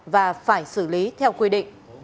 và phải xử lý theo quy định